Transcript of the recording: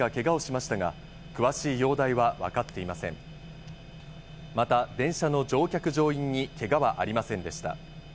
また、電車の乗客・乗員にけがはありませんでした。